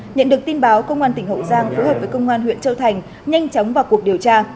nhận được tin báo công an tỉnh hậu giang phối hợp với công an huyện châu thành nhanh chóng vào cuộc điều tra